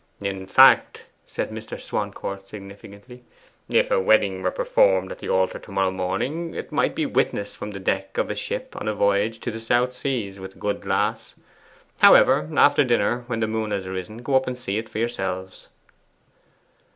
In fact,' said Mr. Swancourt significantly, 'if a wedding were performed at the altar to morrow morning, it might be witnessed from the deck of a ship on a voyage to the South Seas, with a good glass. However, after dinner, when the moon has risen, go up and see for yourselves.